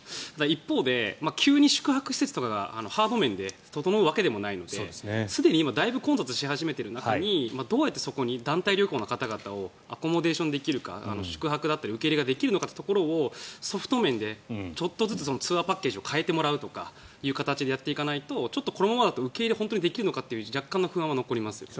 一方で急に宿泊施設とかがハード面でも整うわけではないのですでに今だいぶ混雑し始めている中にどうやってそこに団体旅行の方々をアコモデーションできるか宿泊だったり受け入れができるのかというところをソフト面で、ちょっとずつツアーパッケージを変えてもらうとかという形でやってもらわないとこのままで本当に受け入れができるのかという若干の不安がありますよね。